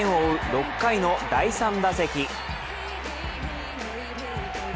６回の第３打席。